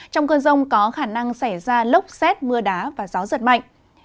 trong cơn rông có khả năng xảy ra lốc xét mưa đá và gió giật mạnh